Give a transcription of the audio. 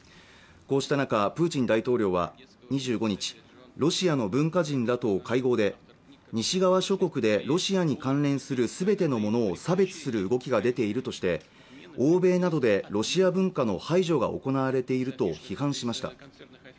こうした中プーチン大統領は２５日ロシアの文化人らと会合で西側諸国でロシアに関連する全てのものを差別する動きが出ているとして欧米などでロシア文化の排除が行われていると批判しました